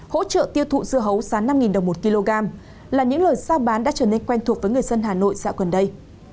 hỗ trợ tiêu thụ dưa hấu sán năm đồng một kg là những lời giao bán đã trở nên quen thuộc với người dân hà nội dạo gần đây